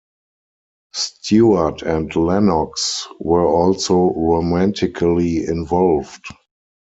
Stewart and Lennox were also romantically involved.